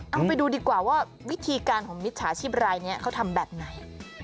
เอาไปดูดีกว่าว่าวิธีการของมิจฉาชีพรายนี้เขาทำแบบไหน